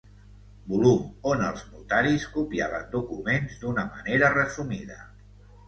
Volum on els notaris copiaven documents d'una manera resumida.